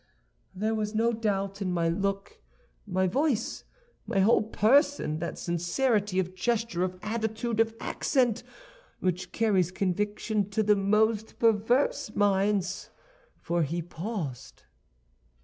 "There was, no doubt, in my look, my voice, my whole person, that sincerity of gesture, of attitude, of accent, which carries conviction to the most perverse minds, for he paused.